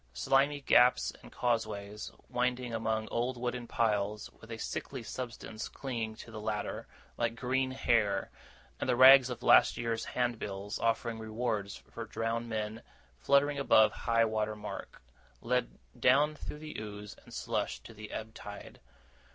Slimy gaps and causeways, winding among old wooden piles, with a sickly substance clinging to the latter, like green hair, and the rags of last year's handbills offering rewards for drowned men fluttering above high water mark, led down through the ooze and slush to the ebb tide.